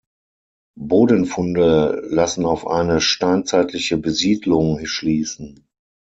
Bodenfunde lassen auf eine steinzeitliche Besiedlung schließen.